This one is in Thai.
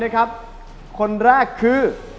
คนแรกคือ